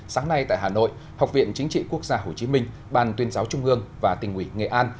sáng nay tại hà nội học viện chính trị quốc gia hồ chí minh ban tuyên giáo trung ương và tỉnh ủy nghệ an